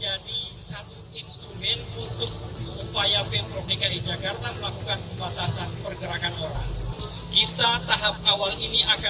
menjadi satu instrumen untuk upaya pemprov dki jakarta melakukan